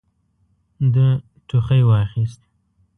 ده ټوخي واخيست.